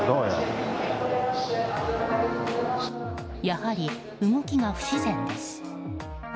やはり動きが不自然です。